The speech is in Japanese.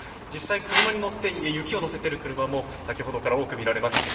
実際、車に乗って雪を載せている車も先ほどから多く見られます。